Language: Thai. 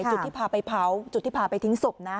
จุดที่พาไปเผาจุดที่พาไปทิ้งศพนะ